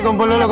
kumpul dulu yuk